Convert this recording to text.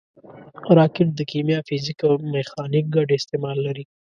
راکټ د کیمیا، فزیک او میخانیک ګډ استعمال لري